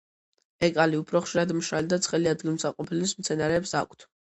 ეკალი უფრო ხშირად მშრალი და ცხელი ადგილსამყოფელის მცენარეებს აქვთ.